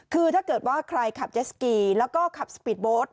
คือถ้าเกิดว่าใครขับเจสกีแล้วก็ขับสปีดโบสต์